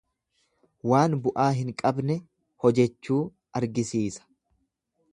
Waan bu'aa hin qabne hojechuu argisiisa.